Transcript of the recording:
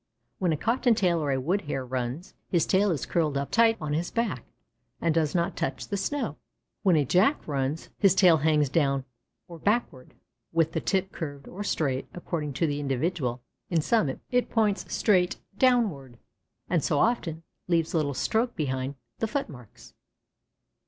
When a Cottontail or a Wood hare runs, his tail is curled up tight on his back, and does not touch the snow. When a Jack runs, his tail hangs downward or backward, with the tip curved or straight, according to the individual; in some, it points straight down, and so, often leaves a little stroke behind the foot marks.